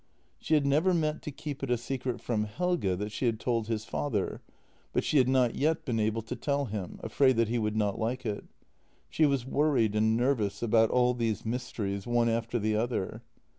She had never meant to keep it a secret from Helge that she had told his father, but she had not yet been able to tell him — afraid that he would not like it. She was worried and nervous about all these mysteries, one after the other.